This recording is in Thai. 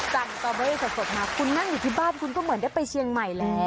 สตอเบอรี่สดมาคุณนั่งอยู่ที่บ้านคุณก็เหมือนได้ไปเชียงใหม่แล้ว